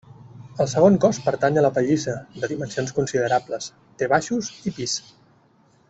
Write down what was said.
El segon cos pertany a la pallissa de dimensions considerables; té baixos i pis.